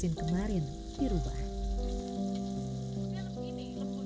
ini lebih gini lebih kunjung